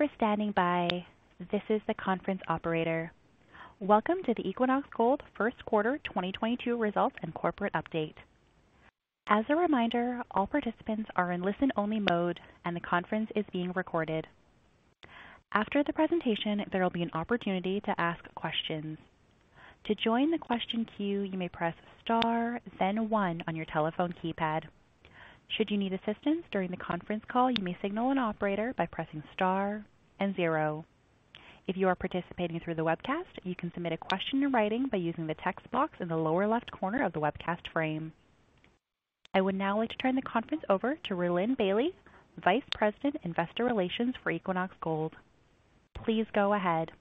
Thank you for standing by. This is the conference operator. Welcome to the Equinox Gold first quarter 2022 results and corporate update. As a reminder, all participants are in listen-only mode, and the conference is being recorded. After the presentation, there will be an opportunity to ask questions. To join the question queue, you may press star then one on your telephone keypad. Should you need assistance during the conference call, you may signal an operator by pressing star and zero. If you are participating through the webcast, you can submit a question in writing by using the text box in the lower left corner of the webcast frame. I would now like to turn the conference over to Rhylin Bailie, Vice President, Investor Relations for Equinox Gold. Please go ahead.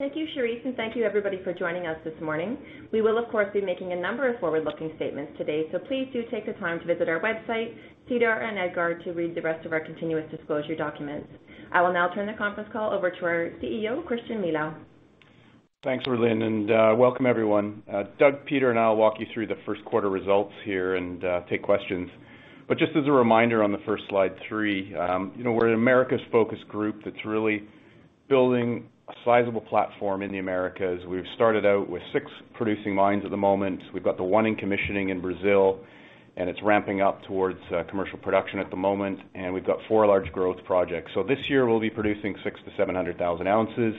Thank you, Cherise, and thank you everybody for joining us this morning. We will, of course, be making a number of forward-looking statements today, so please do take the time to visit our website, SEDAR and EDGAR to read the rest of our continuous disclosure documents. I will now turn the conference call over to our CEO, Christian Milau. Thanks, Rhylin, and welcome everyone. Doug, Peter, and I'll walk you through the first quarter results here and take questions. Just as a reminder on the first slide three, you know, we're an Americas-focused group that's really building a sizable platform in the Americas. We've started out with six producing mines at the moment. We've got the one in commissioning in Brazil, and it's ramping up towards commercial production at the moment, and we've got four large growth projects. This year, we'll be producing 600,000-700,000 oz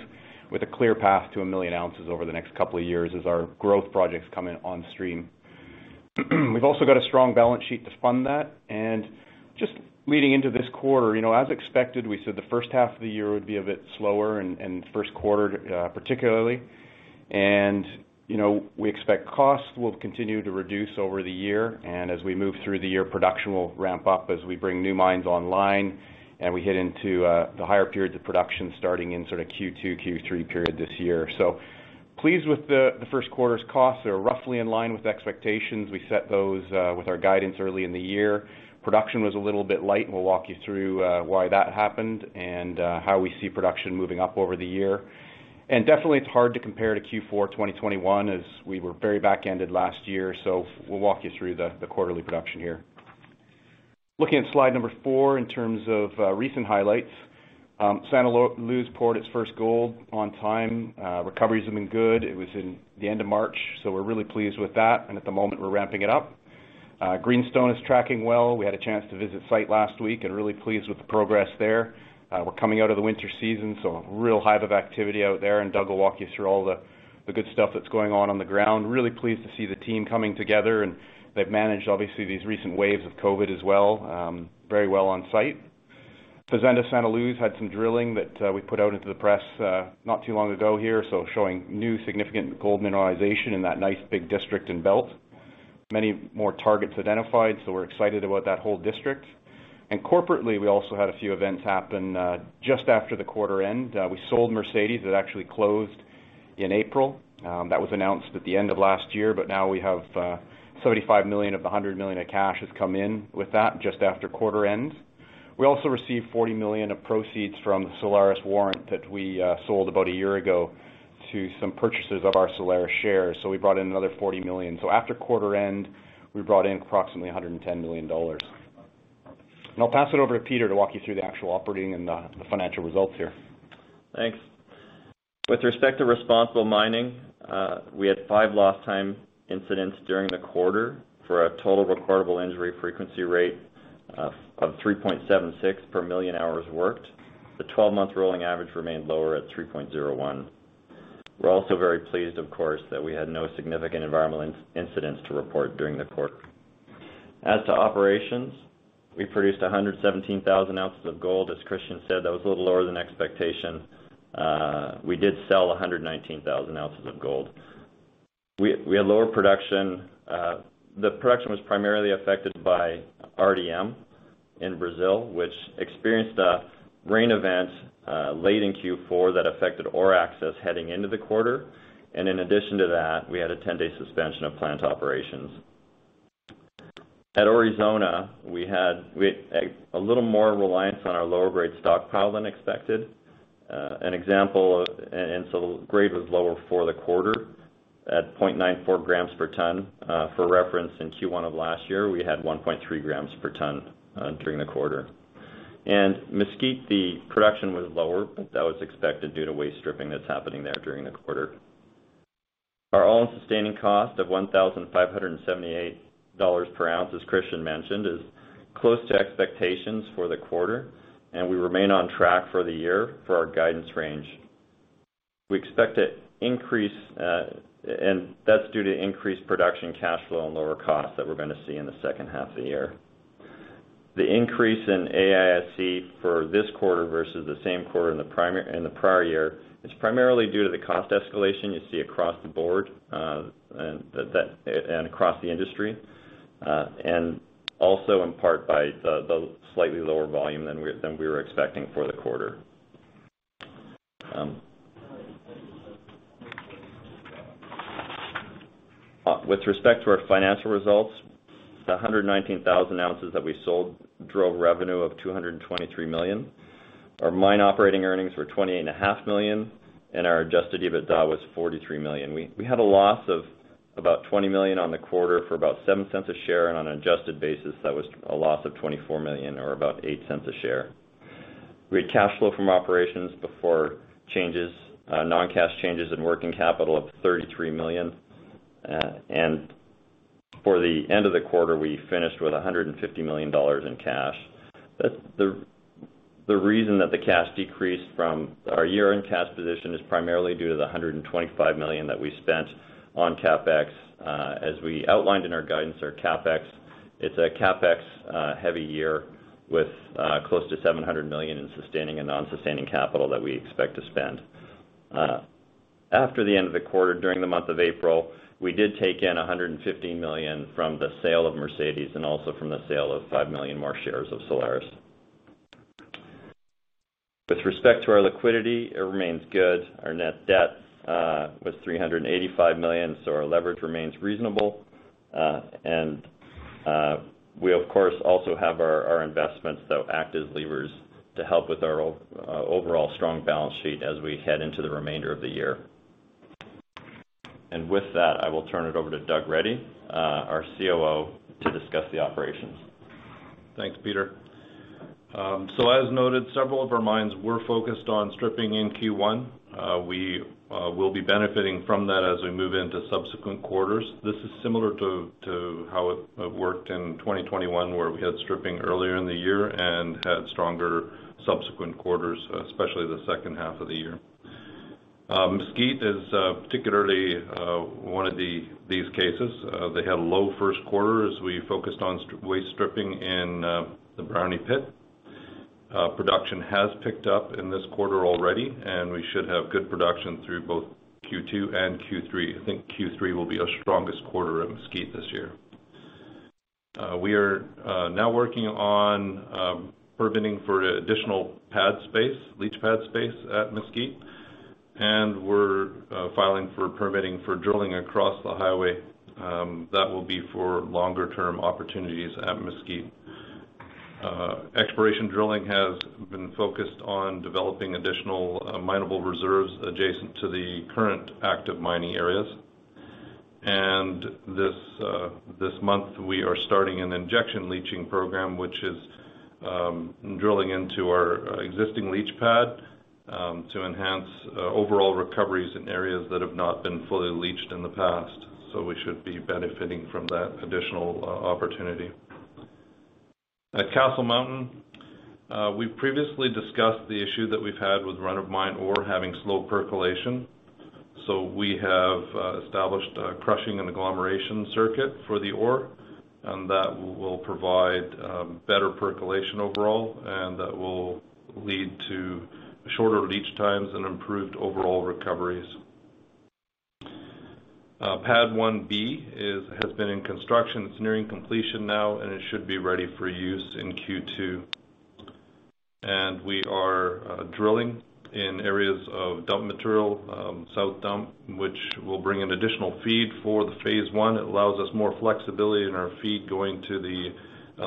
with a clear path to 1,000,000 oz over the next couple of years as our growth projects come in on stream. We've also got a strong balance sheet to fund that. Just leading into this quarter, you know, as expected, we said the first half of the year would be a bit slower and first quarter, particularly. You know, we expect costs will continue to reduce over the year, and as we move through the year, production will ramp up as we bring new mines online and we head into the higher periods of production starting in sort of Q2, Q3 period this year. Pleased with the first quarter's costs. They are roughly in line with expectations. We set those with our guidance early in the year. Production was a little bit light, and we'll walk you through why that happened and how we see production moving up over the year. Definitely, it's hard to compare to Q4 2021 as we were very back-ended last year. We'll walk you through the quarterly production here. Looking at slide number four, in terms of recent highlights, Santa Luz poured its first gold on time. Recoveries have been good. It was in the end of March, so we're really pleased with that. At the moment, we're ramping it up. Greenstone is tracking well. We had a chance to visit site last week and really pleased with the progress there. We're coming out of the winter season, so a real hive of activity out there, and Doug will walk you through all the good stuff that's going on on the ground. Really pleased to see the team coming together, and they've managed, obviously, these recent waves of COVID as well, very well on site. Fazenda Santa Luz had some drilling that we put out into the press not too long ago here, so showing new significant gold mineralization in that nice big district and belt. Many more targets identified, so we're excited about that whole district. Corporately, we also had a few events happen just after the quarter end. We sold Mercedes that actually closed in April. That was announced at the end of last year, but now we have $75 million of the $100 million of cash has come in with that just after quarter end. We also received $40 million of proceeds from Solaris warrant that we sold about a year ago to some purchasers of our Solaris shares. We brought in another $40 million. After quarter end, we brought in approximately $110 million. I'll pass it over to Peter to walk you through the actual operating and the financial results here. Thanks. With respect to responsible mining, we had five lost time incidents during the quarter for a total recordable injury frequency rate of 3.76 per million hours worked. The twelve-month rolling average remained lower at 3.01. We're also very pleased, of course, that we had no significant environmental incidence to report during the quarter. As to operations, we produced 117,000 oz of gold. As Christian said, that was a little lower than expectation. We did sell 119,000 oz of gold. We had lower production. The production was primarily affected by RDM in Brazil, which experienced a rain event late in Q4 that affected ore access heading into the quarter. In addition to that, we had a 10-day suspension of plant operations. At Aurizona, we had a little more reliance on our lower grade stockpile than expected. Grade was lower for the quarter at 0.94 grams per ton. For reference, in Q1 of last year, we had 1.3 grams per ton during the quarter. Mesquite, the production was lower, but that was expected due to waste stripping that's happening there during the quarter. Our all-in sustaining cost of $1,578 per oz, as Christian mentioned, is close to expectations for the quarter, and we remain on track for the year for our guidance range. We expect to increase, and that's due to increased production cash flow and lower costs that we're gonna see in the second half of the year. The increase in AISC for this quarter versus the same quarter in the prior year is primarily due to the cost escalation you see across the board, and across the industry, and also in part by the slightly lower volume than we were expecting for the quarter. With respect to our financial results, the 119,000 oz that we sold drove revenue of $223 million. Our mine operating earnings were $28.5 million, and our adjusted EBITDA was $43 million. We had a loss of about $20 million on the quarter for about $0.07 per share, and on an adjusted basis, that was a loss of $24 million or about $0.08 per share. We had cash flow from operations before changes, non-cash changes in working capital of $33 million. For the end of the quarter, we finished with $150 million in cash. That's the reason that the cash decreased from our year-end cash position is primarily due to the $125 million that we spent on CapEx. As we outlined in our guidance, our CapEx, it's a CapEx heavy year with close to $700 million in sustaining and non-sustaining capital that we expect to spend. After the end of the quarter, during the month of April, we did take in $115 million from the sale of Mercedes and also from the sale of 5 million more shares of Solaris. With respect to our liquidity, it remains good. Our net debt was $385 million, so our leverage remains reasonable. We of course also have our investments though act as levers to help with our overall strong balance sheet as we head into the remainder of the year. With that, I will turn it over to Doug Reddy, our COO, to discuss the operations. Thanks, Peter. As noted, several of our mines were focused on stripping in Q1. We will be benefiting from that as we move into subsequent quarters. This is similar to how it worked in 2021, where we had stripping earlier in the year and had stronger subsequent quarters, especially the second half of the year. Mesquite is particularly one of these cases. They had a low first quarter as we focused on waste stripping in the Brownie pit. Production has picked up in this quarter already, and we should have good production through both Q2 and Q3. I think Q3 will be our strongest quarter at Mesquite this year. We are now working on permitting for additional pad space, leach pad space at Mesquite. We're filing for permitting for drilling across the highway that will be for longer term opportunities at Mesquite. Exploration drilling has been focused on developing additional mineable reserves adjacent to the current active mining areas. This month, we are starting an injection leaching program, which is drilling into our existing leach pad to enhance overall recoveries in areas that have not been fully leached in the past. We should be benefiting from that additional opportunity. At Castle Mountain, we previously discussed the issue that we've had with run-of-mine ore having slow percolation. We have established a crushing and agglomeration circuit for the ore, and that will provide better percolation overall, and that will lead to shorter leach times and improved overall recoveries. Pad 1B has been in construction. It's nearing completion now, and it should be ready for use in Q2. We are drilling in areas of dump material, South Dump, which will bring an additional feed for the Phase 1. It allows us more flexibility in our feed going to the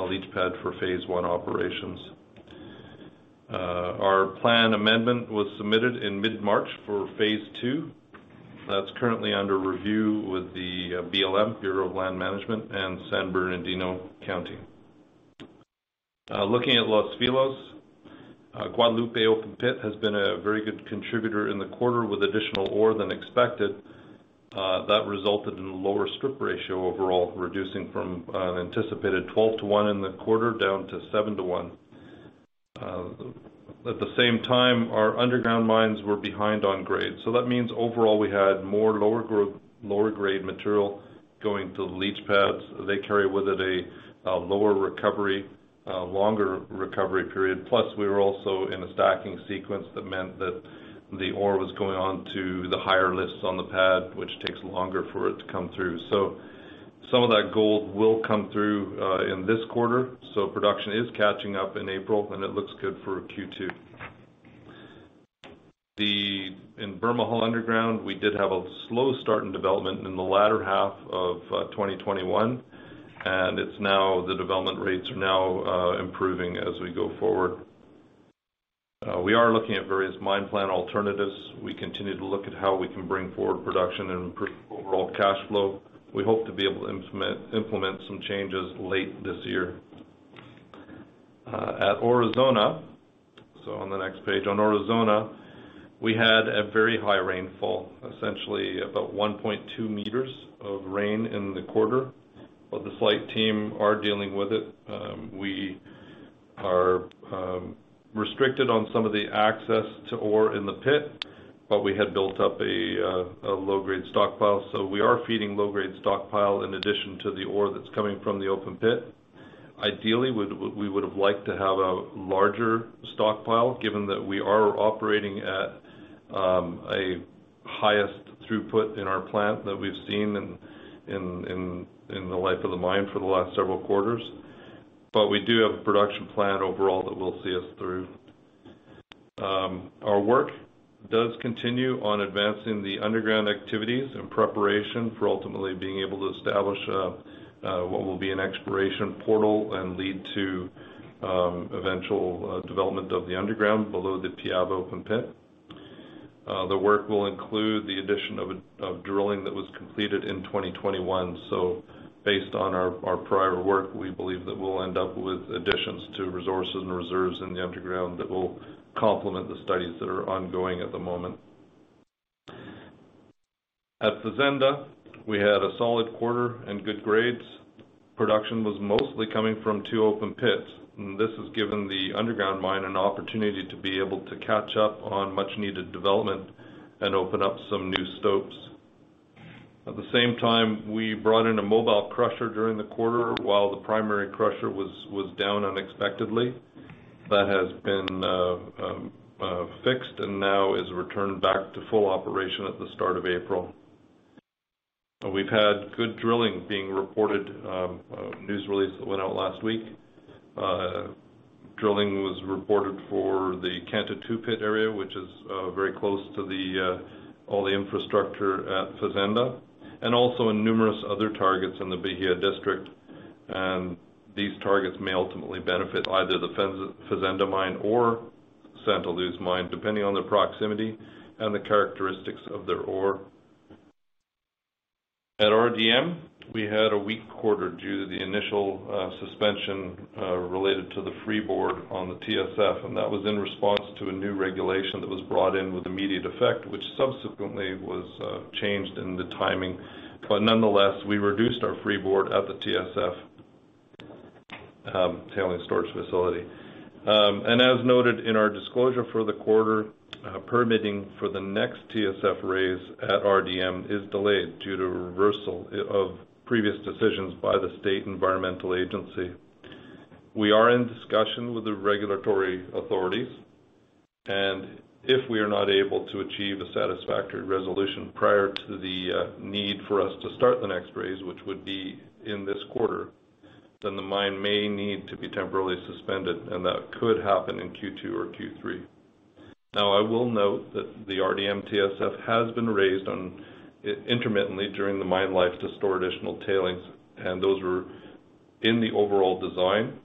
leach pad for phase one operations. Our plan amendment was submitted in mid-March for Phase 2. That's currently under review with the BLM, Bureau of Land Management, and San Bernardino County. Looking at Los Filos, Guadalupe open pit has been a very good contributor in the quarter with additional ore than expected, that resulted in a lower strip ratio overall, reducing from an anticipated 12:1 in the quarter down to 7:1. At the same time, our underground mines were behind on grade. That means overall, we had more lower grade material going to the leach pads. They carry with it a lower recovery, longer recovery period. Plus, we were also in a stacking sequence that meant that the ore was going on to the higher lifts on the pad, which takes longer for it to come through. Some of that gold will come through in this quarter, so production is catching up in April, and it looks good for Q2. In Bermejal underground, we did have a slow start in development in the latter half of 2021, and the development rates are now improving as we go forward. We are looking at various mine plan alternatives. We continue to look at how we can bring forward production and improve overall cash flow. We hope to be able to implement some changes late this year. At Aurizona, on the next page. On Aurizona, we had a very high rainfall, essentially about 1.2 meters of rain in the quarter. The site team are dealing with it. We are restricted on some of the access to ore in the pit, but we had built up a low-grade stockpile. We are feeding low-grade stockpile in addition to the ore that's coming from the open pit. Ideally, we would have liked to have a larger stockpile given that we are operating at a highest throughput in our plant that we've seen in the life of the mine for the last several quarters. We do have a production plan overall that will see us through. Our work does continue on advancing the underground activities in preparation for ultimately being able to establish what will be an exploration portal and lead to eventual development of the underground below the Piaba open pit. The work will include the addition of drilling that was completed in 2021. Based on our prior work, we believe that we'll end up with additions to resources and reserves in the underground that will complement the studies that are ongoing at the moment. At Fazenda, we had a solid quarter and good grades. Production was mostly coming from two open pits. This has given the underground mine an opportunity to be able to catch up on much needed development and open up some new stopes. At the same time, we brought in a mobile crusher during the quarter while the primary crusher was down unexpectedly. That has been fixed and now is returned back to full operation at the start of April. We've had good drilling being reported, a news release that went out last week. Drilling was reported for the Canto 2 Pit area, which is very close to all the infrastructure at Fazenda, and also in numerous other targets in the Bahia District. These targets may ultimately benefit either the Fazenda mine or Santa Luz mine, depending on their proximity and the characteristics of their ore. At RDM, we had a weak quarter due to the initial suspension related to the freeboard on the TSF, and that was in response to a new regulation that was brought in with immediate effect, which subsequently was changed in the timing. Nonetheless, we reduced our freeboard at the TSF, tailings storage facility. As noted in our disclosure for the quarter, permitting for the next TSF raise at RDM is delayed due to reversal of previous decisions by the State Environmental Agency. We are in discussion with the regulatory authorities, and if we are not able to achieve a satisfactory resolution prior to the need for us to start the next raise, which would be in this quarter, then the mine may need to be temporarily suspended, and that could happen in Q2 or Q3. Now, I will note that the RDM TSF has been raised intermittently during the mine life to store additional tailings, and those were in the overall design.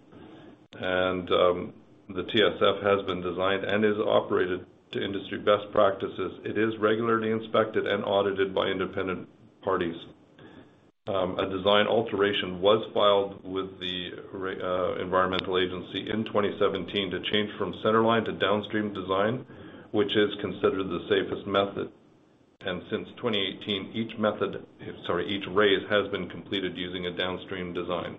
The TSF has been designed and is operated to industry best practices. It is regularly inspected and audited by independent parties. A design alteration was filed with the environmental agency in 2017 to change from centerline to downstream design, which is considered the safest method. Since 2018, each raise has been completed using a downstream design.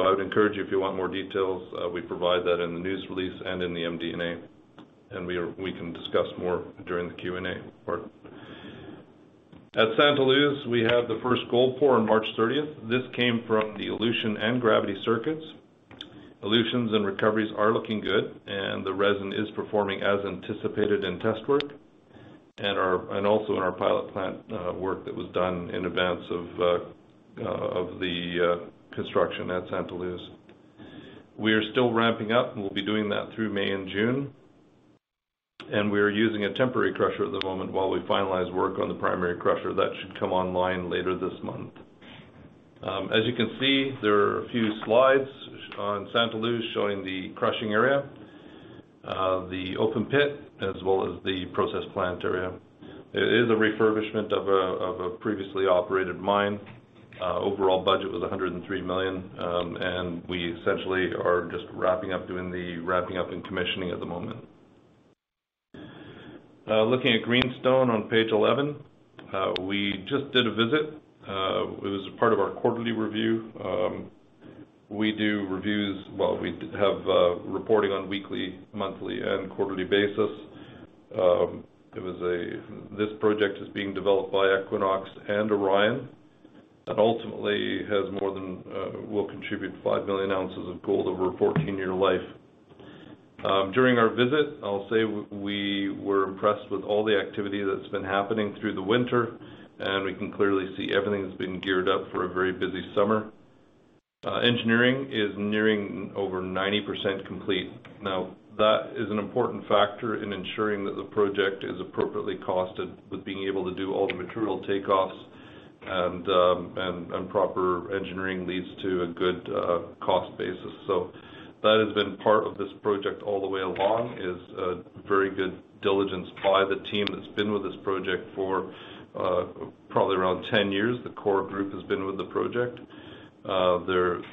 I would encourage you if you want more details, we provide that in the news release and in the MD&A, and we can discuss more during the Q&A part. At Santa Luz, we had the first gold pour on March 30. This came from the elution and gravity circuits. Elutions and recoveries are looking good, and the resin is performing as anticipated in test work and also in our pilot plant work that was done in advance of the construction at Santa Luz. We are still ramping up, and we'll be doing that through May and June. We are using a temporary crusher at the moment while we finalize work on the primary crusher that should come online later this month. As you can see, there are a few slides on Santa Luz showing the crushing area, the open pit, as well as the process plant area. It is a refurbishment of a previously operated mine. Overall budget was $103 million, and we essentially are just wrapping up and commissioning at the moment. Looking at Greenstone on page 11, we just did a visit as part of our quarterly review. Well, we have reporting on weekly, monthly, and quarterly basis. This project is being developed by Equinox and Orion, and ultimately will contribute 5 million oz of gold over a 14-year life. During our visit, I'll say we were impressed with all the activity that's been happening through the winter, and we can clearly see everything's been geared up for a very busy summer. Engineering is nearing over 90% complete. Now, that is an important factor in ensuring that the project is appropriately costed with being able to do all the material takeoffs and proper engineering leads to a good cost basis. That has been part of this project all the way along, is very good diligence by the team that's been with this project for probably around 10 years, the core group has been with the project.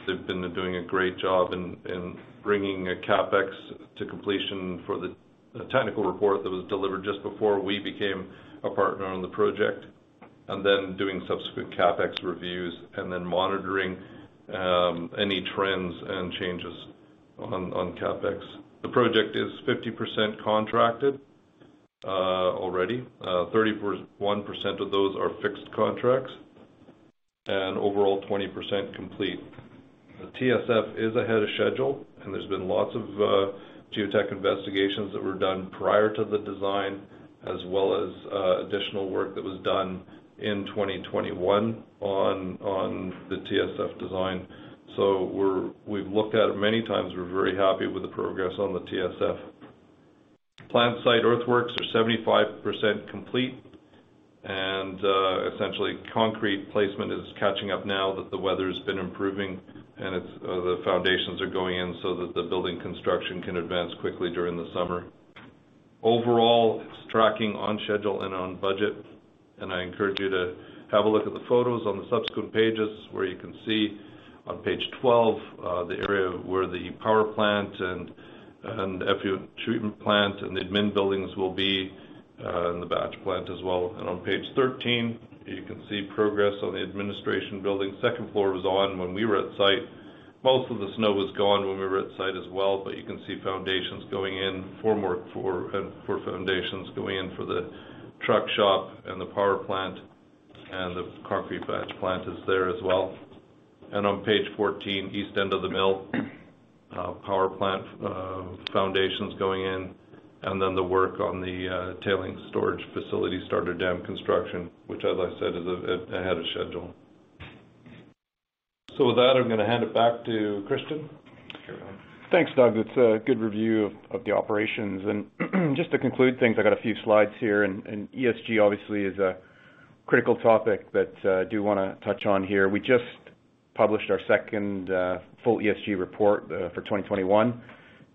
They've been doing a great job in bringing a CapEx to completion for the technical report that was delivered just before we became a partner on the project, and then doing subsequent CapEx reviews and then monitoring any trends and changes on CapEx. The project is 50% contracted already. 31% of those are fixed contracts and overall 20% complete. The TSF is ahead of schedule, and there's been lots of geotech investigations that were done prior to the design as well as additional work that was done in 2021 on the TSF design. We've looked at it many times. We're very happy with the progress on the TSF. Plant site earthworks are 75% complete. Essentially concrete placement is catching up now that the weather's been improving, and the foundations are going in so that the building construction can advance quickly during the summer. Overall, it's tracking on schedule and on budget, and I encourage you to have a look at the photos on the subsequent pages, where you can see on page 12 the area where the power plant and effluent treatment plant and the admin buildings will be, and the batch plant as well. On page 13, you can see progress on the administration building. Second floor was on when we were at site. Most of the snow was gone when we were at site as well, but you can see foundations going in, form work for foundations going in for the truck shop and the power plant, and the concrete batch plant is there as well. On page 14, east end of the mill, power plant, foundations going in, and then the work on the tailings storage facility starter dam construction, which as I said is ahead of schedule. With that, I'm gonna hand it back to Christian. Sure. Thanks, Doug. That's a good review of the operations. Just to conclude things, I got a few slides here and ESG obviously is a critical topic that I do wanna touch on here. We just published our second full ESG report for 2021.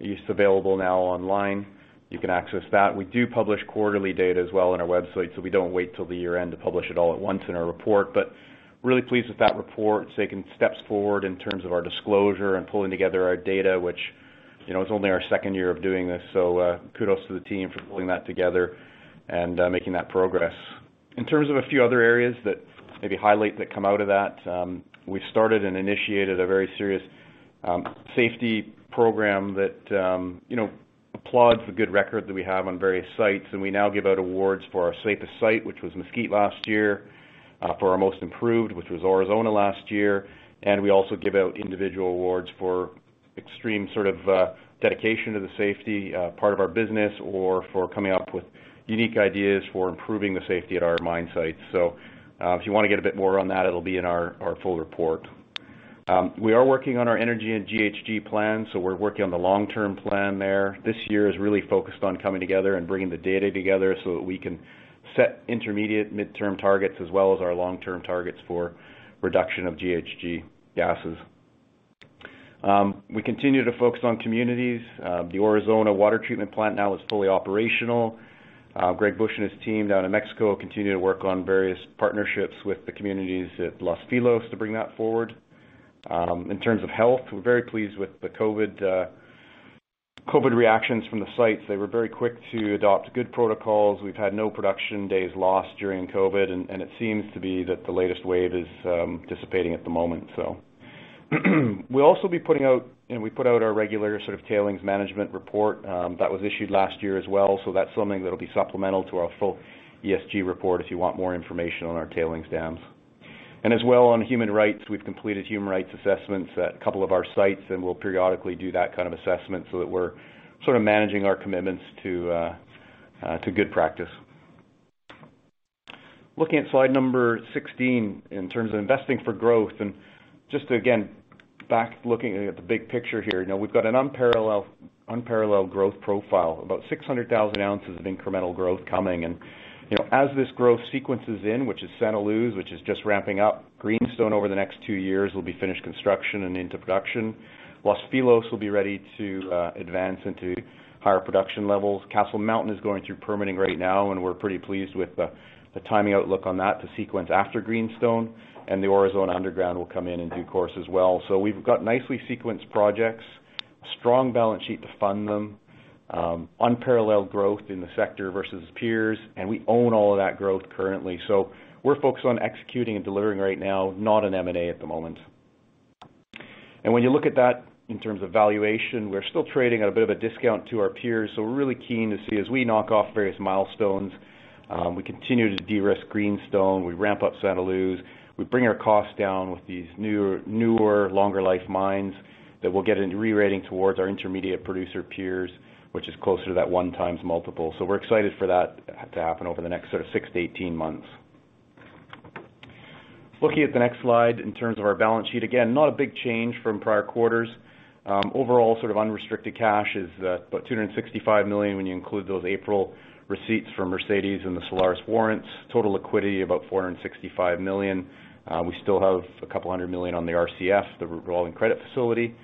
It's available now online. You can access that. We do publish quarterly data as well on our website, so we don't wait till the year-end to publish it all at once in our report. But really pleased with that report. It's taken steps forward in terms of our disclosure and pulling together our data, which you know is only our second year of doing this, so kudos to the team for pulling that together and making that progress. In terms of a few other areas that maybe highlight that come out of that, we started and initiated a very serious safety program that you know applauds the good record that we have on various sites, and we now give out awards for our safest site, which was Mesquite last year, for our most improved, which was Aurizona last year, and we also give out individual awards for extreme sort of dedication to the safety part of our business or for coming up with unique ideas for improving the safety at our mine site. If you wanna get a bit more on that, it'll be in our full report. We are working on our energy and GHG plan, so we're working on the long-term plan there. This year is really focused on coming together and bringing the data together so that we can set intermediate midterm targets as well as our long-term targets for reduction of GHG gases. We continue to focus on communities. The Aurizona water treatment plant now is fully operational. Gregg Bush and his team down in Mexico continue to work on various partnerships with the communities at Los Filos to bring that forward. In terms of health, we're very pleased with the COVID reactions from the sites. They were very quick to adopt good protocols. We've had no production days lost during COVID, and it seems to be that the latest wave is dissipating at the moment. We'll also be putting out, you know, we put out our regular sort of tailings management report, that was issued last year as well, so that's something that'll be supplemental to our full ESG report if you want more information on our tailings dams. As well, on human rights, we've completed human rights assessments at a couple of our sites, and we'll periodically do that kind of assessment so that we're sort of managing our commitments to good practice. Looking at slide number 16, in terms of investing for growth, and just again, back looking at the big picture here, you know, we've got an unparalleled growth profile, about 600,000 oz of incremental growth coming. You know, as this growth sequence is in, which is Santa Luz, which is just ramping up, Greenstone over the next two years will be finished construction and into production. Los Filos will be ready to advance into higher production levels. Castle Mountain is going through permitting right now, and we're pretty pleased with the timing outlook on that to sequence after Greenstone, and the Aurizona Underground will come in in due course as well. We've got nicely sequenced projects, strong balance sheet to fund them, unparalleled growth in the sector versus peers, and we own all of that growth currently. We're focused on executing and delivering right now, not on M&A at the moment. When you look at that in terms of valuation, we're still trading at a bit of a discount to our peers, so we're really keen to see as we knock off various milestones, we continue to de-risk Greenstone, we ramp up Santa Luz, we bring our costs down with these new, newer longer life mines that we'll get into rerating towards our intermediate producer peers, which is closer to that 1x multiple. We're excited for that to happen over the next sort of six to 18 months. Looking at the next slide in terms of our balance sheet, again, not a big change from prior quarters. Overall, sort of, unrestricted cash is about $265 million when you include those April receipts from Mercedes and the Solaris warrants. Total liquidity, about $465 million. We still have a couple hundred million on the RCF, the revolving credit facility.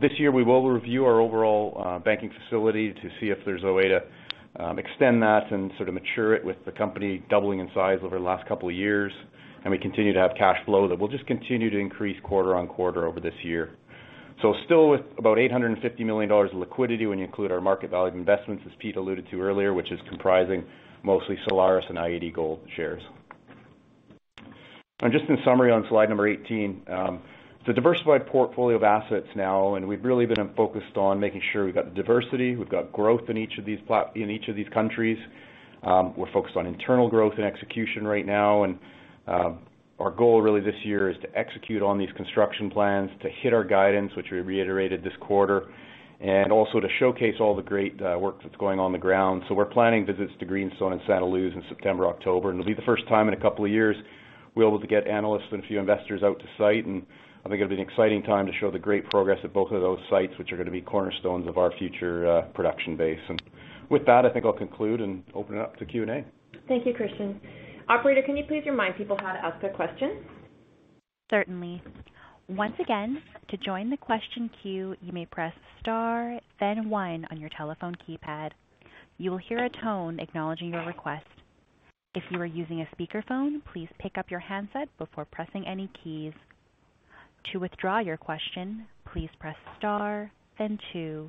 This year we will review our overall banking facility to see if there's a way to extend that and sort of mature it with the company doubling in size over the last couple of years, and we continue to have cash flow that will just continue to increase quarter on quarter over this year. Still with about $850 million of liquidity when you include our market value investments, as Pete alluded to earlier, which is comprising mostly Solaris and i-80 Gold shares. Just in summary on slide 18, it's a diversified portfolio of assets now, and we've really been focused on making sure we've got diversity, we've got growth in each of these countries. We're focused on internal growth and execution right now. Our goal really this year is to execute on these construction plans, to hit our guidance, which we reiterated this quarter, and also to showcase all the great work that's going on the ground. We're planning visits to Greenstone and Santa Luz in September, October, and it'll be the first time in a couple of years. We're able to get analysts and a few investors out to site, and I think it'll be an exciting time to show the great progress at both of those sites, which are gonna be cornerstones of our future production base. With that, I think I'll conclude and open it up to Q&A. Thank you, Christian. Operator, can you please remind people how to ask their questions? Certainly. Once again, to join the question queue, you may press star then one on your telephone keypad. You will hear a tone acknowledging your request. If you are using a speakerphone, please pick up your handset before pressing any keys. To withdraw your question, please press star then two.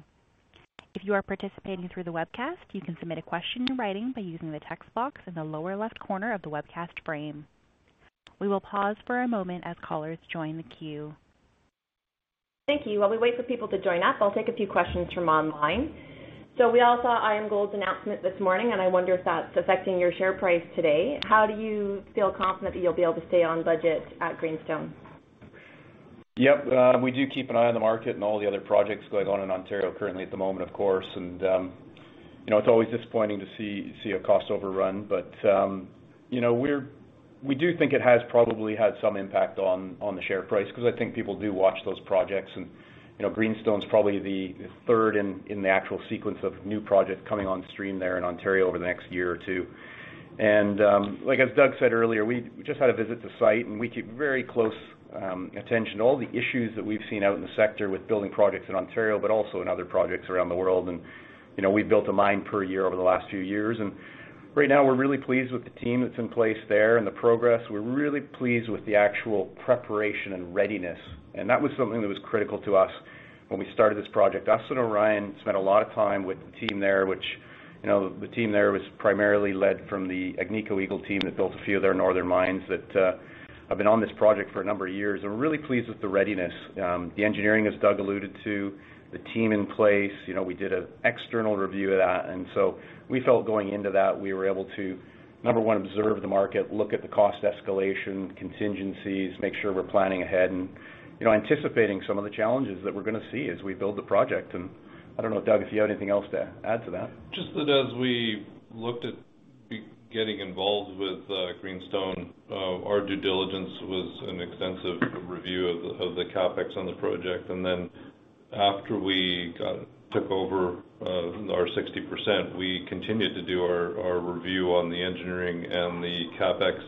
If you are participating through the webcast, you can submit a question in writing by using the text box in the lower left corner of the webcast frame. We will pause for a moment as callers join the queue. Thank you. While we wait for people to join us, I'll take a few questions from online. We all saw IAMGOLD's announcement this morning, and I wonder if that's affecting your share price today. How do you feel confident that you'll be able to stay on budget at Greenstone? Yep. We do keep an eye on the market and all the other projects going on in Ontario currently at the moment, of course. It's always disappointing to see a cost overrun. We do think it has probably had some impact on the share price because I think people do watch those projects. Greenstone's probably the third in the actual sequence of new projects coming on stream there in Ontario over the next year or two. As Doug said earlier, we just had a visit to site, and we keep very close attention to all the issues that we've seen out in the sector with building projects in Ontario, but also in other projects around the world. You know, we've built a mine per year over the last few years. Right now, we're really pleased with the team that's in place there and the progress. We're really pleased with the actual preparation and readiness, and that was something that was critical to us when we started this project. Us and Orion spent a lot of time with the team there, which, you know, the team there was primarily led from the Agnico Eagle team that built a few of their northern mines that have been on this project for a number of years. We're really pleased with the readiness. The engineering, as Doug alluded to, the team in place, you know, we did an external review of that. We felt going into that, we were able to, number one, observe the market, look at the cost escalation, contingencies, make sure we're planning ahead and, you know, anticipating some of the challenges that we're gonna see as we build the project. I don't know, Doug, if you have anything else to add to that. Just that as we looked at getting involved with Greenstone, our due diligence was an extensive review of the CapEx on the project. After we took over our 60%, we continued to do our review on the engineering and the CapEx.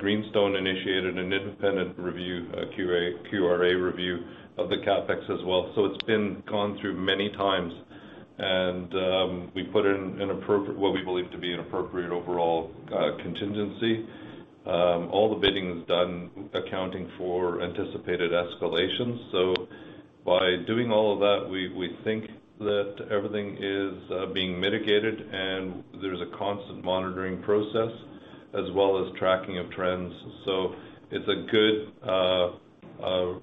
Greenstone initiated an independent review, a QRA review of the CapEx as well. It's been gone through many times. We put in what we believe to be an appropriate overall contingency. All the bidding is done accounting for anticipated escalations. By doing all of that, we think that everything is being mitigated and there's a constant monitoring process as well as tracking of trends. It's a good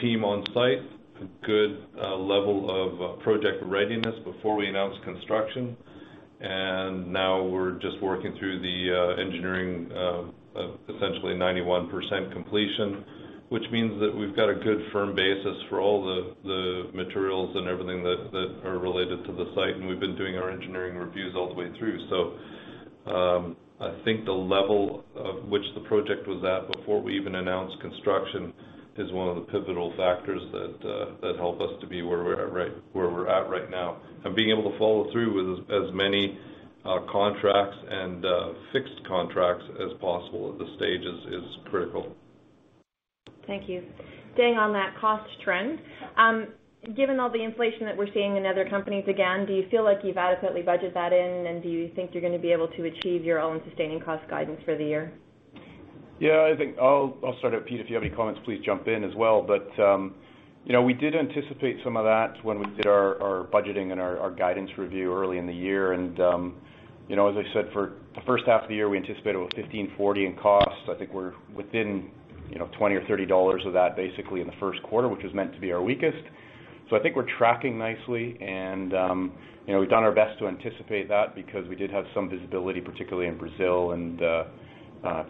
team on site, a good level of project readiness before we announce construction. Now we're just working through the engineering of essentially 91% completion, which means that we've got a good firm basis for all the materials and everything that are related to the site. We've been doing our engineering reviews all the way through. I think the level of which the project was at before we even announced construction is one of the pivotal factors that help us to be where we're at right now. Being able to follow through with as many contracts and fixed contracts as possible at this stage is critical. Thank you. Staying on that cost trend, given all the inflation that we're seeing in other companies again, do you feel like you've adequately budgeted that in? Do you think you're gonna be able to achieve your own sustaining cost guidance for the year? Yeah, I think I'll start out. Pete, if you have any comments, please jump in as well. You know, we did anticipate some of that when we did our budgeting and our guidance review early in the year. You know, as I said, for the first half of the year, we anticipated about $1,540 in cost. I think we're within, you know, $20 or $30 of that basically in the first quarter, which was meant to be our weakest. I think we're tracking nicely and, you know, we've done our best to anticipate that because we did have some visibility, particularly in Brazil and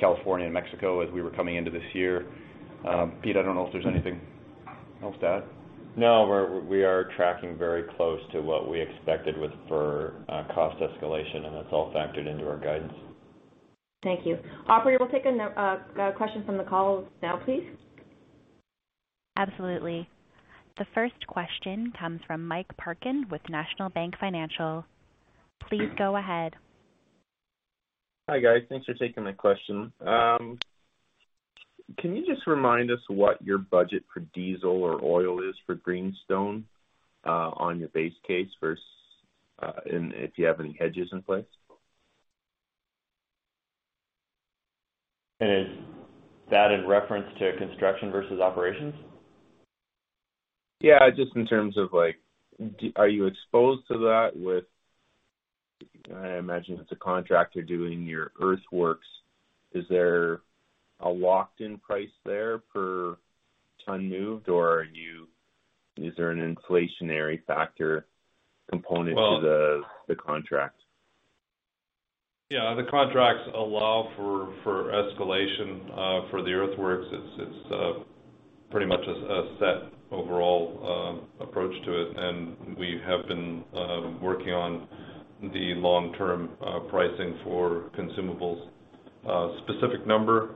California and Mexico as we were coming into this year. Pete, I don't know if there's anything else to add. No. We are tracking very close to what we expected with, for, cost escalation, and that's all factored into our guidance. Thank you. Operator, we'll take a question from the call now, please. Absolutely. The first question comes from Mike Parkin with National Bank Financial. Please go ahead. Hi, guys. Thanks for taking my question. Can you just remind us what your budget for diesel or oil is for Greenstone, on your base case versus, and if you have any hedges in place? Is that in reference to construction versus operations? Yeah, just in terms of, like, are you exposed to that with, I imagine it's a contractor doing your earthworks. Is there a locked-in price there per ton moved, or is there an inflationary factor component to the contract? Yeah, the contracts allow for escalation for the earthworks. It's pretty much a set overall approach to it. We have been working on the long-term pricing for consumables. Specific number,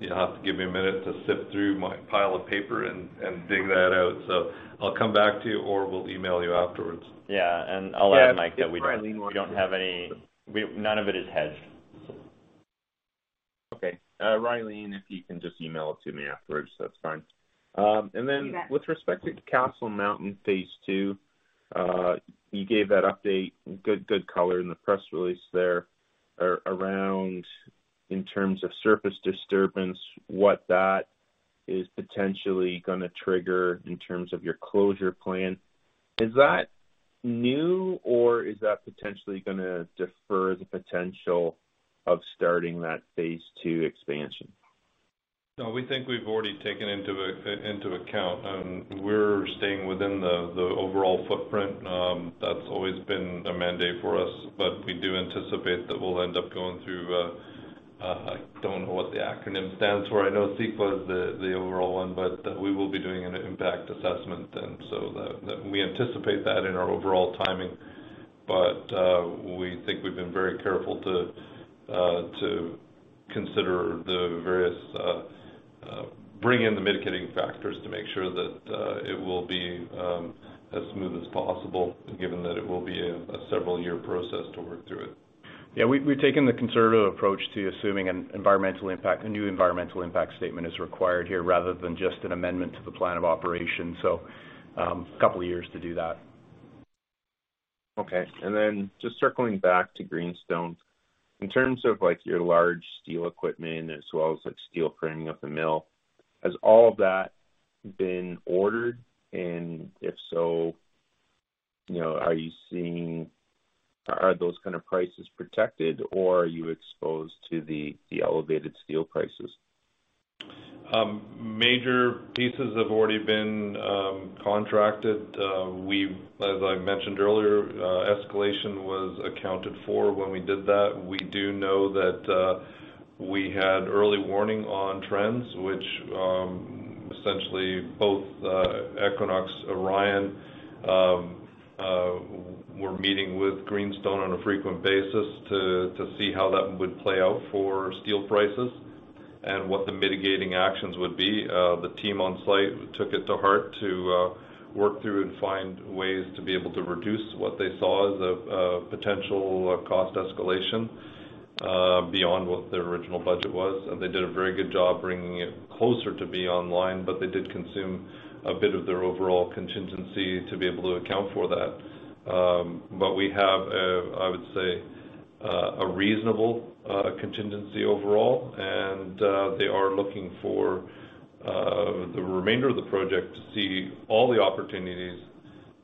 you'll have to give me a minute to sift through my pile of paper and dig that out. I'll come back to you or we'll email you afterwards. Yeah. I'll add, Mike, that we don't any– none of it is hedged. Okay. Rhylin, if you can just email it to me afterwards, that's fine. You bet. With respect to Castle Mountain Phase 2, you gave that update, good color in the press release there around in terms of surface disturbance, what that is potentially gonna trigger in terms of your closure plan. Is that new or is that potentially gonna defer the potential of starting that Phase 2 expansion? No, we think we've already taken into account. We're staying within the overall footprint. That's always been a mandate for us. We do anticipate that we'll end up going through a. I don't know what the acronym stands for. I know CEQA is the overall one, but that we will be doing an impact assessment then, so that we anticipate that in our overall timing. We think we've been very careful to consider the various bring in the mitigating factors to make sure that it will be as smooth as possible, given that it will be a several-year process to work through it. Yeah, we've taken the conservative approach to assuming an environmental impact. A new environmental impact statement is required here rather than just an amendment to the plan of operation. A couple of years to do that. Okay. Just circling back to Greenstone. In terms of, like, your large steel equipment as well as, like, steel framing of the mill, has all of that been ordered? If so, you know, are those kind of prices protected or are you exposed to the elevated steel prices? Major pieces have already been contracted. As I mentioned earlier, escalation was accounted for when we did that. We do know that we had early warning on trends, which essentially both Equinox, Orion were meeting with Greenstone on a frequent basis to see how that would play out for steel prices and what the mitigating actions would be. The team on site took it to heart to work through and find ways to be able to reduce what they saw as a potential cost escalation beyond what their original budget was. They did a very good job bringing it closer to be online, but they did consume a bit of their overall contingency to be able to account for that. We have, I would say, a reasonable contingency overall. They are looking for the remainder of the project to see all the opportunities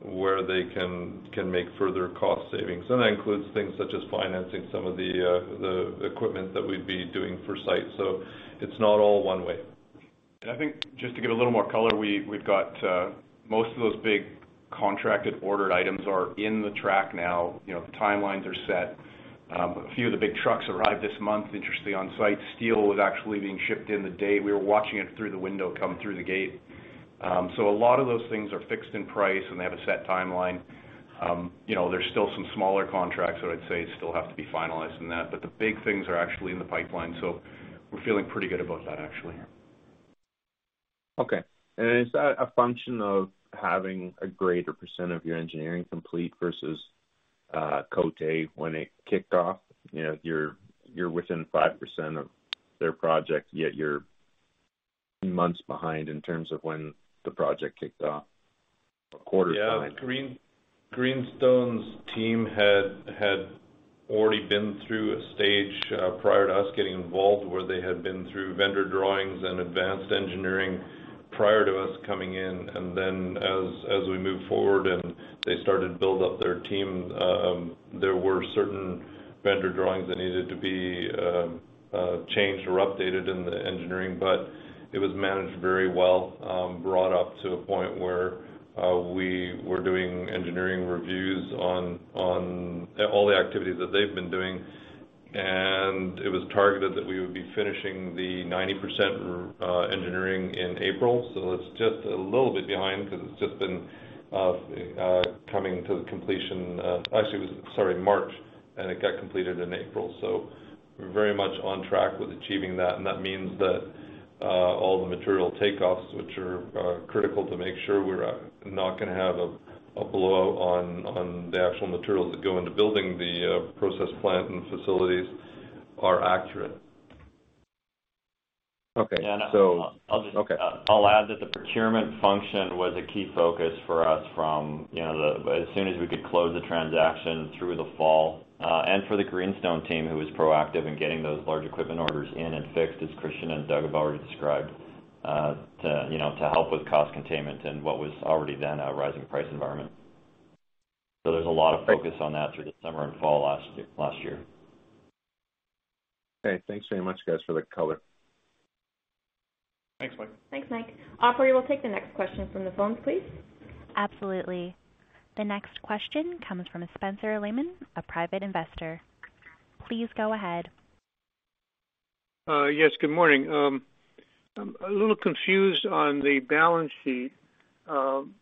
where they can make further cost savings. That includes things such as financing some of the equipment that we'd be doing for site. It's not all one way. I think just to give a little more color, we've got most of those big contracted ordered items on track now. You know, the timelines are set. A few of the big trucks arrived this month, interestingly, on site. Steel was actually being shipped on the day. We were watching it through the window come through the gate. So a lot of those things are fixed in price, and they have a set timeline. You know, there's still some smaller contracts that I'd say still have to be finalized in that, but the big things are actually in the pipeline. We're feeling pretty good about that actually. Okay. Is that a function of having a greater percent of your engineering complete versus Côté when it kicked off? You know, you're within 5% of their project, yet you're months behind in terms of when the project kicked off or quarters behind. Yeah. Greenstone's team had already been through a stage prior to us getting involved, where they had been through vendor drawings and advanced engineering prior to us coming in. As we moved forward and they started to build up their team, there were certain vendor drawings that needed to be changed or updated in the engineering. It was managed very well, brought up to a point where we were doing engineering reviews on all the activities that they've been doing. It was targeted that we would be finishing the 90% engineering in April. It's just a little bit behind because it's just been coming to the completion. Actually, it was, sorry, March, and it got completed in April. We're very much on track with achieving that, and that means that all the material takeoffs, which are critical to make sure we're not gonna have a blowout on the actual materials that go into building the process plant and facilities are accurate. Okay. Yeah. I'll just. Okay. I'll add that the procurement function was a key focus for us from, you know, as soon as we could close the transaction through the fall. For the Greenstone team, who was proactive in getting those large equipment orders in and fixed, as Christian and Doug Reddy have already described, to help with cost containment in what was already then a rising price environment. There's a lot of focus on that through December and fall last year. Okay. Thanks very much, guys, for the color. Thanks, Mike. Thanks, Mike. Operator, we'll take the next question from the phones, please. Absolutely. The next question comes from Spencer Lehmann, a private investor. Please go ahead. Yes, good morning. I'm a little confused on the balance sheet. When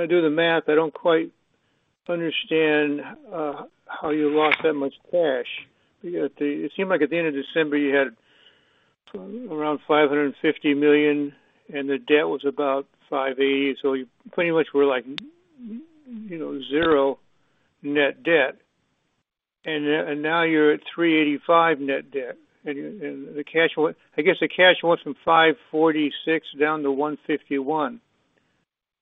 I do the math, I don't quite understand how you lost that much cash. Yet it seemed like at the end of December, you had around $550 million, and the debt was about $580 million. You pretty much were like, you know, zero net debt. Now you're at $385 million net debt. The cash went from $546 million down to $151 million,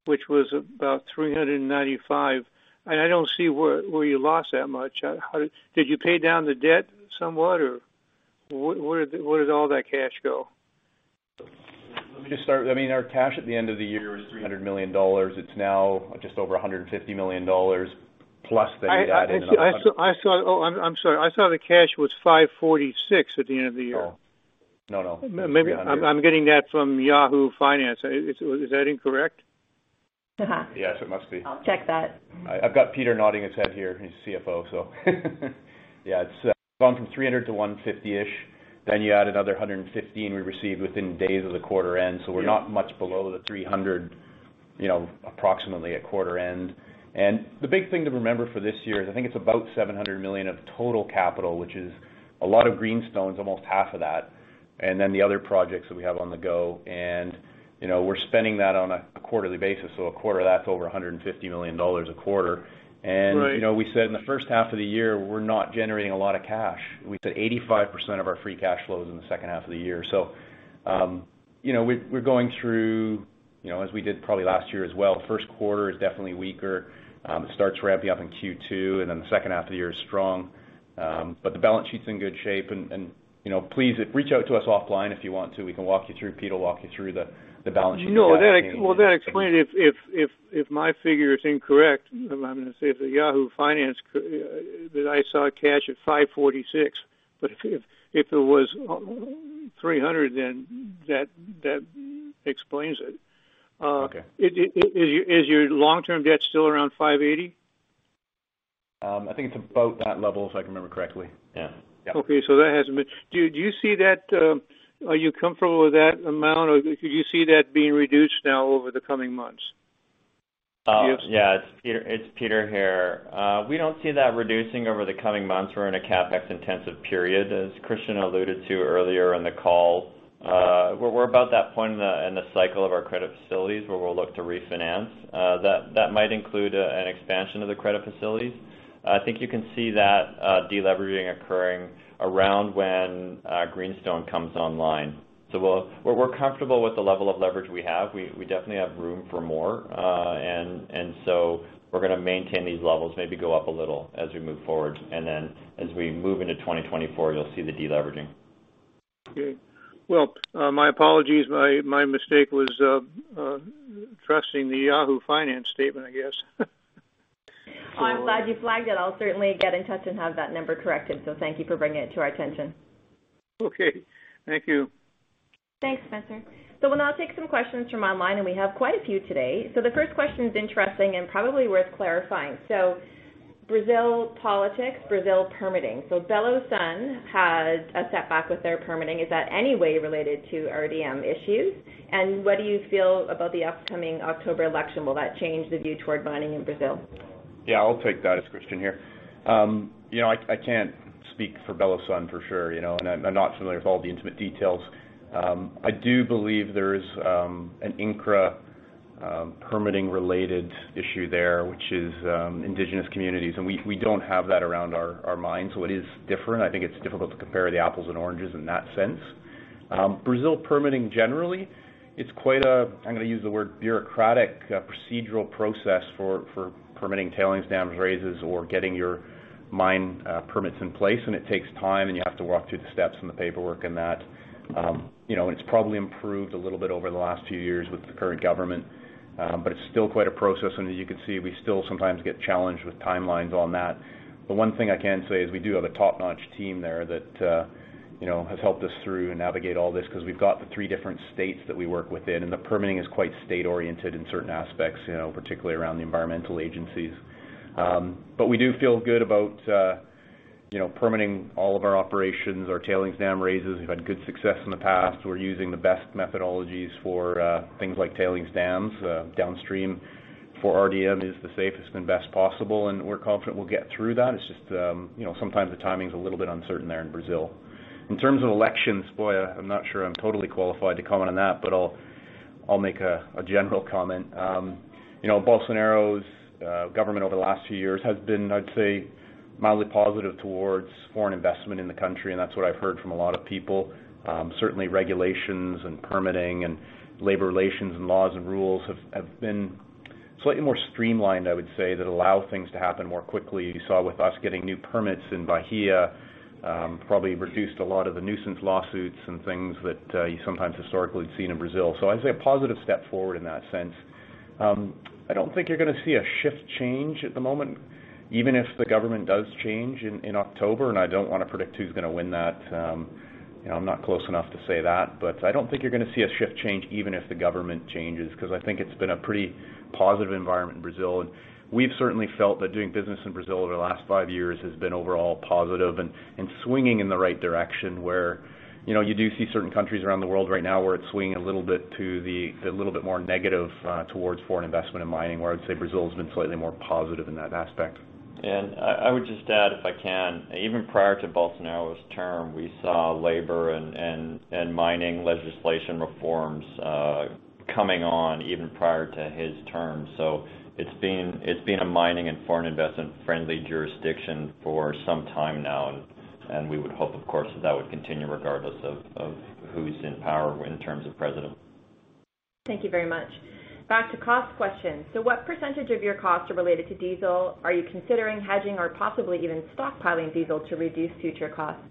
which was about $395 million. I don't see where you lost that much. How did you pay down the debt somewhat, or where did all that cash go? Let me just start. I mean, our cash at the end of the year is $300 million. It's now just over $150 million, plus then you add in– Oh, I'm sorry. I saw the cash was $546 at the end of the year. No, no. No. Maybe I'm getting that from Yahoo Finance. Is that incorrect? Uh-huh. Yes, it must be. I'll check that. I've got Peter nodding his head here, he's CFO. Yeah, it's gone from $300 million to $150-ish million. You add another $115 million we received within days of the quarter end. We're not much below the $300 million, you know, approximately at quarter end. The big thing to remember for this year is I think it's about $700 million of total capital, which is a lot of Greenstone's, almost half of that, and then the other projects that we have on the go. You know, we're spending that on a quarterly basis. A quarter, that's over $150 million a quarter. Right. You know, we said in the first half of the year, we're not generating a lot of cash. We said 85% of our free cash flow is in the second half of the year. You know, we're going through, you know, as we did probably last year as well, first quarter is definitely weaker. It starts ramping up in Q2, and then the second half of the year is strong. The balance sheet's in good shape. You know, please reach out to us offline if you want to. We can walk you through, Peter will walk you through the balance sheet in detail. No. Well, that explains if my figure is incorrect. I'm gonna say if the Yahoo Finance that I saw cash at $546. If it was 300, then that explains it. Okay. Is your long-term debt still around $580? I think it's about that level, if I can remember correctly. Yeah. Yep. That hasn't been. Do you see that, are you comfortable with that amount, or do you see that being reduced now over the coming months? It's Peter here. We don't see that reducing over the coming months. We're in a CapEx-intensive period, as Christian alluded to earlier in the call. We're about that point in the cycle of our credit facilities, where we'll look to refinance. That might include an expansion of the credit facilities. I think you can see that de-leveraging occurring around when Greenstone comes online. We're comfortable with the level of leverage we have. We definitely have room for more. We're gonna maintain these levels, maybe go up a little as we move forward. As we move into 2024, you'll see the de-leveraging. Okay. Well, my apologies. My mistake was trusting the Yahoo Finance statement, I guess. Oh, I'm glad you flagged it. I'll certainly get in touch and have that number corrected. Thank you for bringing it to our attention. Okay. Thank you. Thanks, Spencer. We'll now take some questions from online, and we have quite a few today. The first question is interesting and probably worth clarifying. Brazil politics, Brazil permitting. Belo Sun has a setback with their permitting. Is that any way related to RDM issues? And what do you feel about the upcoming October election? Will that change the view toward mining in Brazil? Yeah, I'll take that. It's Christian here. You know, I can't speak for Belo Sun for sure, you know, and I'm not familiar with all the intimate details. I do believe there is an Incra permitting-related issue there, which is indigenous communities. We don't have that around our mine. It is different. I think it's difficult to compare the apples and oranges in that sense. Brazil permitting generally, it's quite a, I'm gonna use the word bureaucratic, procedural process for permitting tailings, dams raises, or getting your mine permits in place, and it takes time, and you have to walk through the steps and the paperwork and that. You know, it's probably improved a little bit over the last few years with the current government, but it's still quite a process. As you can see, we still sometimes get challenged with timelines on that. The one thing I can say is we do have a top-notch team there that, you know, has helped us through and navigate all this because we've got the three different states that we work within, and the permitting is quite state-oriented in certain aspects, you know, particularly around the environmental agencies. But we do feel good about, you know, permitting all of our operations, our tailings dam raises. We've had good success in the past. We're using the best methodologies for, things like tailings dams, downstream for RDM is the safest and best possible, and we're confident we'll get through that. It's just, you know, sometimes the timing's a little bit uncertain there in Brazil. In terms of elections, boy, I'm not sure I'm totally qualified to comment on that, but I'll make a general comment. You know, Bolsonaro's government over the last few years has been, I'd say, mildly positive towards foreign investment in the country, and that's what I've heard from a lot of people. Certainly, regulations and permitting and labor relations and laws and rules have been slightly more streamlined, I would say, that allow things to happen more quickly. You saw with us getting new permits in Bahia, probably reduced a lot of the nuisance lawsuits and things that you sometimes historically had seen in Brazil. I'd say a positive step forward in that sense. I don't think you're gonna see a shift change at the moment, even if the government does change in October, and I don't wanna predict who's gonna win that. You know, I'm not close enough to say that, but I don't think you're gonna see a shift change even if the government changes, because I think it's been a pretty positive environment in Brazil. We've certainly felt that doing business in Brazil over the last five years has been overall positive and swinging in the right direction, where, you know, you do see certain countries around the world right now where it's swinging a little bit to the little bit more negative towards foreign investment in mining, where I'd say Brazil has been slightly more positive in that aspect. I would just add, if I can, even prior to Bolsonaro's term, we saw labor and mining legislation reforms coming on even prior to his term. It's been a mining and foreign investment friendly jurisdiction for some time now. We would hope, of course, that that would continue regardless of who's in power in terms of president. Thank you very much. Back to cost questions. What percentage of your costs are related to diesel? Are you considering hedging or possibly even stockpiling diesel to reduce future costs?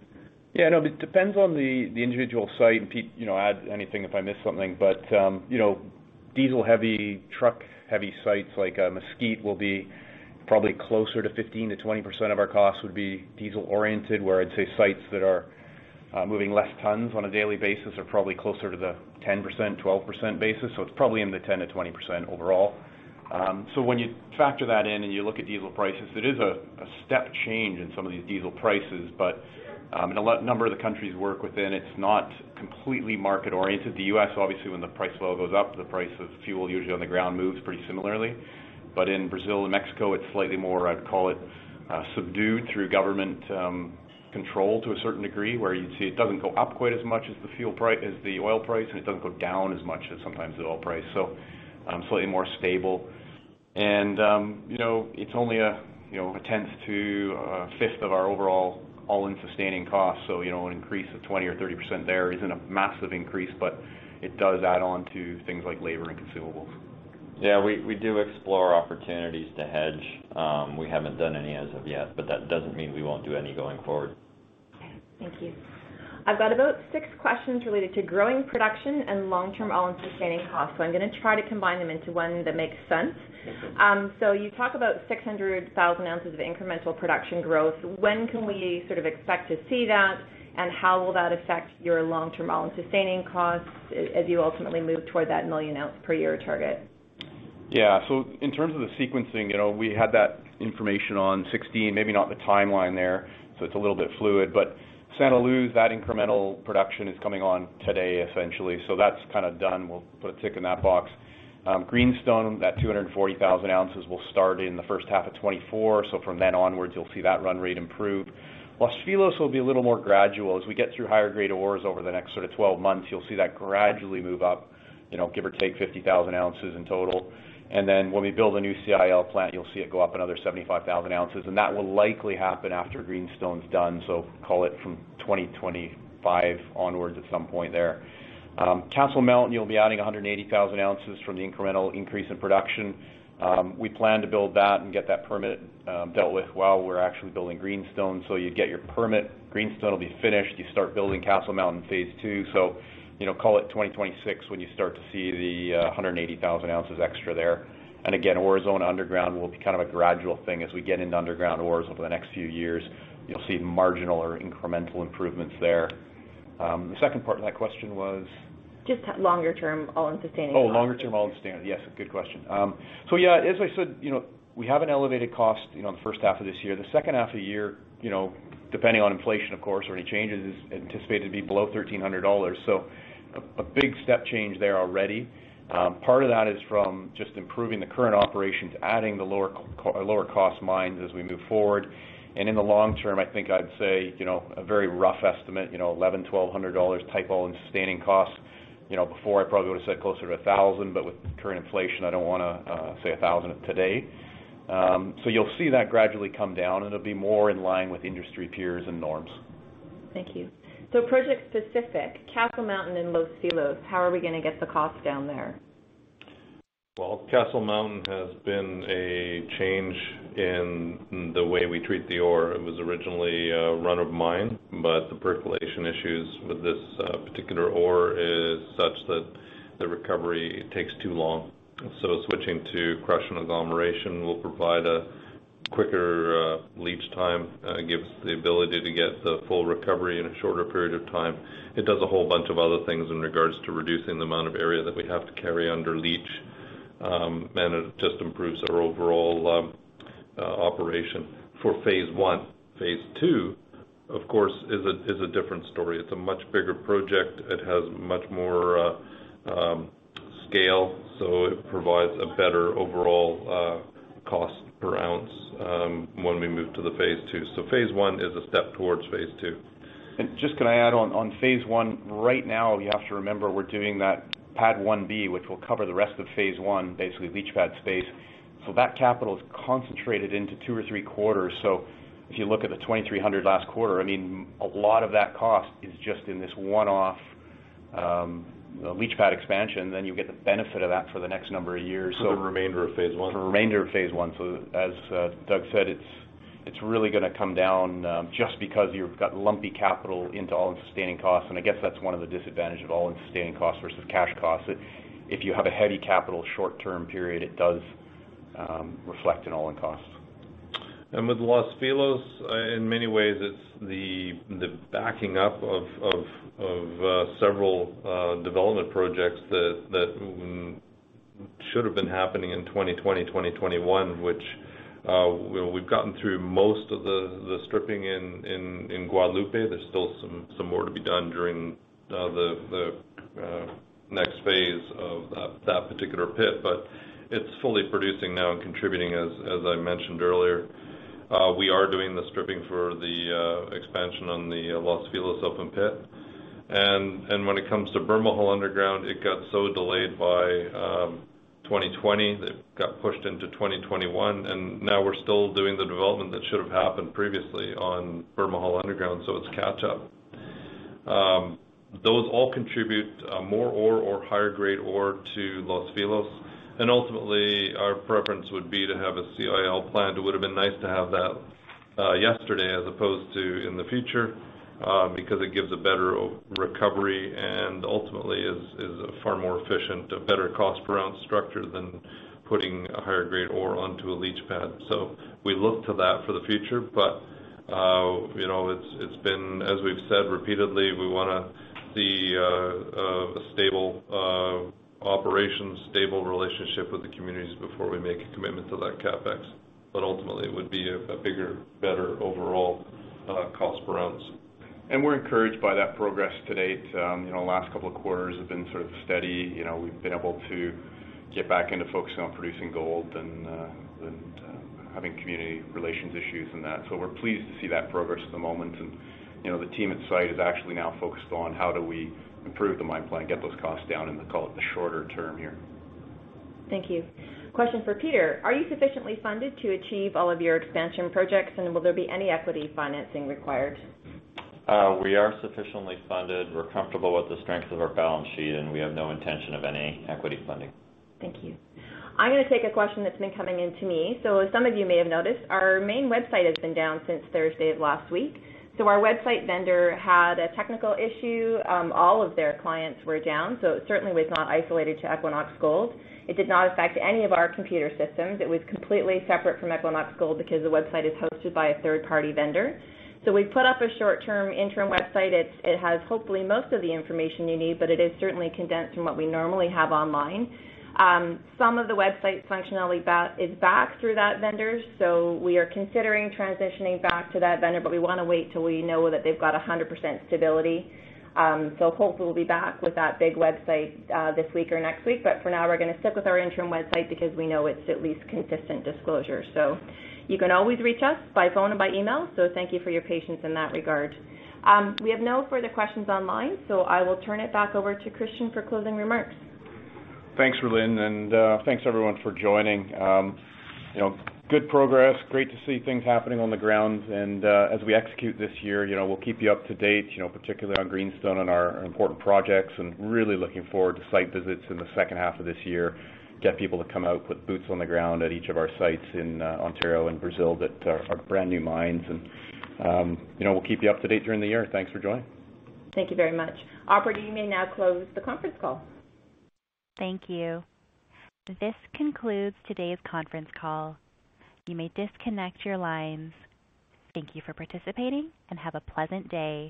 Yeah, no, it depends on the individual site. Pete, you know, add anything if I miss something. You know, diesel-heavy, truck-heavy sites like Mesquite will be probably closer to 15%-20% of our costs would be diesel oriented, where I'd say sites that are moving less tons on a daily basis are probably closer to the 10%, 12% basis. It's probably in the 10%-20% overall. When you factor that in and you look at diesel prices, it is a step change in some of these diesel prices. In a lot of the countries we work within, it's not completely market oriented. The U.S., obviously, when the price level goes up, the price of fuel usually on the ground moves pretty similarly. In Brazil and Mexico, it's slightly more, I'd call it, subdued through government control to a certain degree, where you'd see it doesn't go up quite as much as the oil price, and it doesn't go down as much as sometimes the oil price. Slightly more stable. You know, it's only a, you know, a tenth to a fifth of our overall all-in sustaining costs. You know, an increase of 20% or 30% there isn't a massive increase, but it does add on to things like labor and consumables. Yeah, we do explore opportunities to hedge. We haven't done any as of yet, but that doesn't mean we won't do any going forward. Okay. Thank you. I've got about six questions related to growing production and long-term all-in sustaining costs, so I'm gonna try to combine them into one that makes sense. Okay. You talk about 600,000 oz of incremental production growth. When can we sort of expect to see that, and how will that affect your long-term all-in sustaining costs as you ultimately move toward that 1 million ounce per year target? Yeah. In terms of the sequencing, you know, we had that information on 16, maybe not the timeline there, so it's a little bit fluid. Santa Luz, that incremental production is coming on today essentially. That's kind of done. We'll put a tick in that box. Greenstone, that 240,000 oz will start in the first half of 2024, so from then onwards, you'll see that run rate improve. Los Filos will be a little more gradual. As we get through higher grade ores over the next sort of 12 months, you'll see that gradually move up, you know, give or take 50,000 oz in total. When we build a new CIL plant, you'll see it go up another 75,000 oz, and that will likely happen after Greenstone's done, so call it from 2025 onwards at some point there. Castle Mountain, you'll be adding 180,000 oz from the incremental increase in production. We plan to build that and get that permit dealt with while we're actually building Greenstone. You get your permit, Greenstone will be finished, you start building Castle Mountain Phase 2. You know, call it 2026 when you start to see the 180,000 oz extra there. Again, Aurizona underground will be kind of a gradual thing as we get into underground ores over the next few years. You'll see marginal or incremental improvements there. The second part of that question was? Just longer-term all-in sustaining costs. Oh, longer term all-in sustaining. Yes, good question. Yeah, as I said, you know, we have an elevated cost, you know, in the first half of this year. The second half of the year, you know, depending on inflation, of course, or any changes, is anticipated to be below $1,300. A big step change there already. Part of that is from just improving the current operations, adding the lower cost mines as we move forward. In the long term, I think I'd say, you know, a very rough estimate, you know, $1,100-$1,200 type all-in sustaining cost. You know, before I probably would've said closer to $1,000, but with current inflation, I don't wanna say $1,000 today. You'll see that gradually come down, and it'll be more in line with industry peers and norms. Thank you. Project specific, Castle Mountain and Los Filos, how are we gonna get the cost down there? Well, Castle Mountain has been a change in the way we treat the ore. It was originally a run of mine, but the percolation issues with this particular ore is such that the recovery takes too long. Switching to crush and agglomeration will provide a quicker leach time, give the ability to get the full recovery in a shorter period of time. It does a whole bunch of other things in regards to reducing the amount of area that we have to carry under leach, and it just improves our overall operation for Phase 1. Phase 2, of course, is a different story. It's a much bigger project. It has much more scale, so it provides a better overall cost per ounce, when we move to the Phase 2. Phase 1 is a step towards Phase 2. Just can I add on Phase 1, right now you have to remember we're doing that pad 1B, which will cover the rest of Phase 1, basically leach pad space. That capital is concentrated into two or three quarters. If you look at the $2,300 last quarter, I mean, a lot of that cost is just in this one-off, leach pad expansion, then you get the benefit of that for the next number of years. For the remainder of Phase 1. For the remainder of Phase 1. As Doug said, it's really gonna come down just because you've got lumpy capital into all-in sustaining costs. I guess that's one of the disadvantage of all-in sustaining costs versus cash costs, that if you have a heavy capital short-term period, it does reflect in all-in costs. With Los Filos, in many ways, it's the backing up of several development projects that should have been happening in 2020, 2021, which we've gotten through most of the stripping in Guadalupe. There's still some more to be done during the next phase of that particular pit, but it's fully producing now and contributing as I mentioned earlier. We are doing the stripping for the expansion on the Los Filos open pit. When it comes to Bermejal underground, it got so delayed by 2020. It got pushed into 2021, and now we're still doing the development that should have happened previously on Bermejal underground, so it's catch-up. Those all contribute more ore or higher-grade ore to Los Filos. Ultimately, our preference would be to have a CIL plant. It would've been nice to have that yesterday as opposed to in the future because it gives a better recovery and ultimately is a far more efficient, a better cost per ounce structure than putting a higher-grade ore onto a leach pad. We look to that for the future, but you know, it's been, as we've said repeatedly, we wanna see a stable operation, stable relationship with the communities before we make a commitment to that CapEx. Ultimately, it would be a bigger, better overall cost per ounce. We're encouraged by that progress to date. You know, last couple of quarters have been sort of steady. You know, we've been able to get back into focusing on producing gold and having community relations issues and that. We're pleased to see that progress at the moment. You know, the team at site is actually now focused on how do we improve the mine plan, get those costs down in the, call it, the shorter term here. Thank you. Question for Peter. Are you sufficiently funded to achieve all of your expansion projects, and will there be any equity financing required? We are sufficiently funded. We're comfortable with the strength of our balance sheet, and we have no intention of any equity funding. Thank you. I'm gonna take a question that's been coming in to me. As some of you may have noticed, our main website has been down since Thursday of last week. Our website vendor had a technical issue. All of their clients were down, so it certainly was not isolated to Equinox Gold. It did not affect any of our computer systems. It was completely separate from Equinox Gold because the website is hosted by a third-party vendor. We've put up a short-term interim website. It has, hopefully, most of the information you need, but it is certainly condensed from what we normally have online. Some of the website functionality is back through that vendor, so we are considering transitioning back to that vendor. We wanna wait till we know that they've got 100% stability. Hopefully we'll be back with that big website this week or next week. For now, we're gonna stick with our interim website because we know it's at least consistent disclosure. You can always reach us by phone and by email, so thank you for your patience in that regard. We have no further questions online, so I will turn it back over to Christian for closing remarks. Thanks, Rhylin, and thanks everyone for joining. You know, good progress. Great to see things happening on the ground. As we execute this year, you know, we'll keep you up to date, you know, particularly on Greenstone and our important projects, and really looking forward to site visits in the second half of this year. Get people to come out, put boots on the ground at each of our sites in Ontario and Brazil that are brand new mines. You know, we'll keep you up to date during the year. Thanks for joining. Thank you very much. Operator, you may now close the conference call. Thank you. This concludes today's conference call. You may disconnect your lines. Thank you for participating, and have a pleasant day.